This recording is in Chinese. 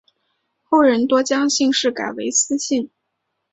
后人多将姓氏改为司姓。